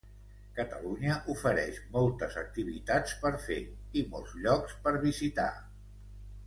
Catalunya ofereix moltes activitats per fer i molts llocs per visitar.